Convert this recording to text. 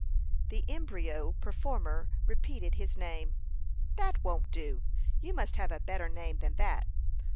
The embryo performer repeated his name. "That won't do; you must have a better name than that.